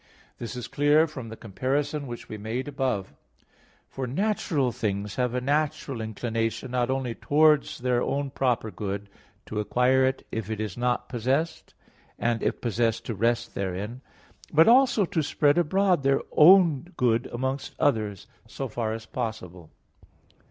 This is clear from the comparison which we made above (A. 1). For natural things have a natural inclination not only towards their own proper good, to acquire it if not possessed, and, if possessed, to rest therein; but also to spread abroad their own good amongst others, so far as possible.